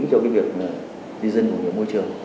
cho cái việc duy dân của môi trường